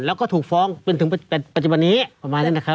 แล้วก็ถูกฟ้องจนถึงปัจจุบันนี้ประมาณนั้นนะครับ